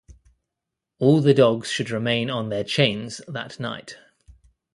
All the dogs should remain on their chains that night.